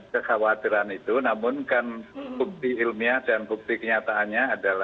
kekhawatiran itu namun kan bukti ilmiah dan bukti kenyataannya adalah